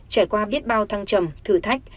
trải qua biết bao thăng trầm thử thách